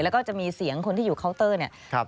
แล้วก็จะมีเสียงคนที่อยู่เคาน์เตอร์เนี่ย